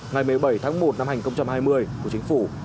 ngày một mươi bảy tháng một năm hai nghìn hai mươi của chính phủ